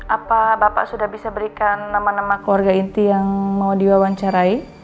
apa bapak sudah bisa berikan nama nama keluarga inti yang mau diwawancarai